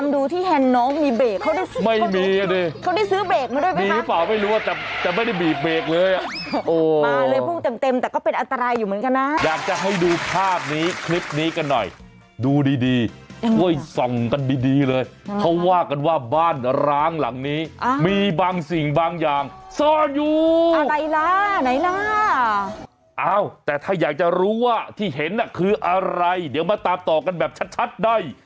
ดิฉันพยายามดูที่แฮนน้องมีเบรกเขาได้ซื้อดิ